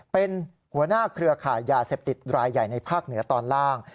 เป็นหัวหน้าเครือข่ายยาเสพติดรายใหญ่ในภาคเหนือตอนล่าง